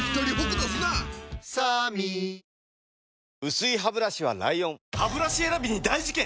薄いハブラシは ＬＩＯＮハブラシ選びに大事件！